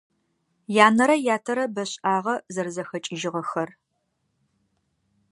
Янэрэ ятэрэ бэшIагъэ зэрэзэхэкIыжьыгъэхэр.